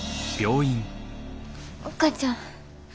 お母ちゃん。